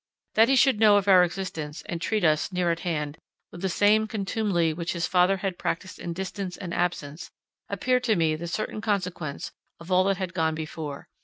That he should know of our existence, and treat us, near at hand, with the same contumely which his father had practised in distance and absence, appeared to me the certain consequence of all that had gone before.